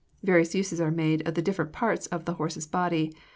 Various uses are made of the different parts of a horse's body.